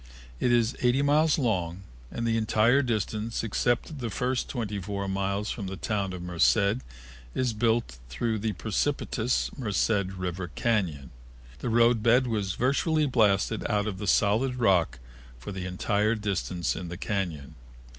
It is eighty miles long, and the entire distance, except the first twenty four miles from the town of Merced, is built through the precipitous Merced River Cañon. The roadbed was virtually blasted out of the solid rock for the entire distance in the cañon.